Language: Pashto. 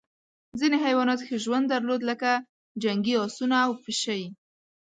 ځینې حیوانات ښه ژوند درلود لکه جنګي اسونه او پشۍ.